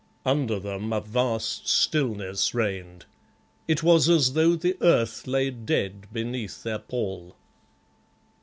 Under them a vast stillness reigned. It was as though the earth lay dead beneath their pall.